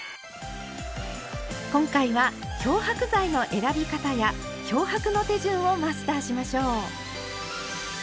今回は漂白剤の選び方や漂白の手順をマスターしましょう。